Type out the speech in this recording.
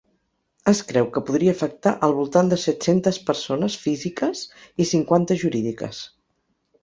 Es creu que podria afectar al voltant de set-centes persones físiques i cinquanta jurídiques.